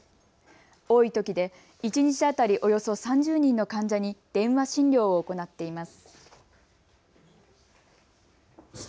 多いときで一日当たりおよそ３０人の患者に電話診療を行っています。